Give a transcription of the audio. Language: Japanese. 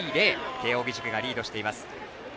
慶応義塾がリードしています。